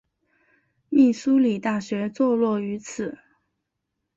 密苏里大学坐落于此。